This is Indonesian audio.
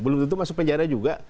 belum tentu masuk penjara juga